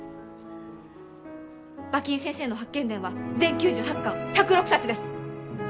馬琴先生の「八犬伝」は全９８巻１０６冊です。